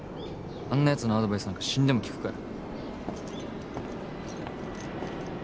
あんなやつのアドバイスなんか死んでも聞くかよ